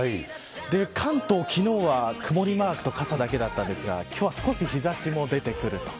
関東、昨日は曇りマーク傘だけだったんですが今日は少し日差しも出てくると。